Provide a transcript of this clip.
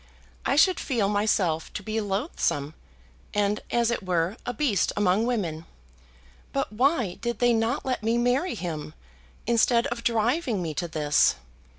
I should feel myself to be loathsome, and, as it were, a beast among women. But why did they not let me marry him, instead of driving me to this?